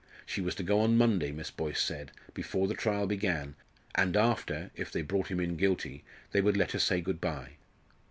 She was to go on Monday, Miss Boyce said, before the trial began, and after if they brought him in guilty they would let her say good bye.